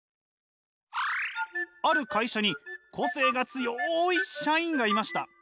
ある会社に個性が強い社員がいました。